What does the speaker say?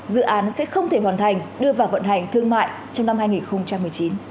dự án sẽ không thể hoàn thành đưa vào vận hành thương mại trong năm hai nghìn một mươi chín